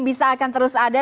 bisa akan terus ada